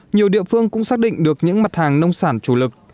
nhiều địa phương cũng xác định được những mặt hàng nông sản chủ lực